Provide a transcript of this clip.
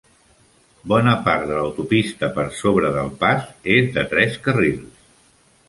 Bona part de l'autopista per sobre del pas és de tres carrils.